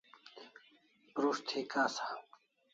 Prus't thi kasa